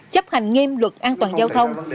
chấp hành nghiêm luật an toàn giao thông